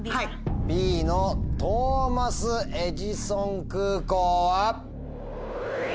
Ｂの「トーマス・エジソン空港」は？